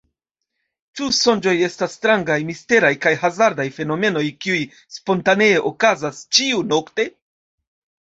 Ĉu sonĝoj estas strangaj, misteraj kaj hazardaj fenomenoj, kiuj spontanee okazas ĉiu-nokte?